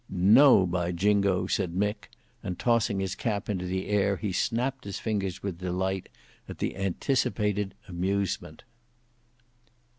"No, by jingo!" said Mick, and tossing his cap into the air he snapped his fingers with delight at the anticipated amusement.